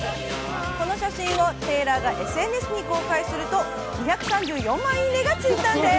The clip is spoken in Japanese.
この写真をテイラーがＳＮＳに公開すると、２３４万いいねがついたんです！